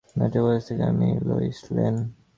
Metropolis থেকে, আমি Lois lane.